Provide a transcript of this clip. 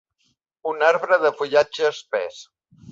Un arbre de fullatge espès.